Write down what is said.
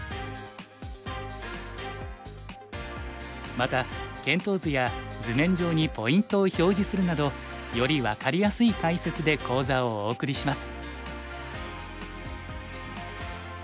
また検討図や図面上にポイントを表示するなどより分かりやすい解説で講座をお送りします。